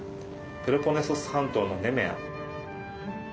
ペロポネソス半島のネメア。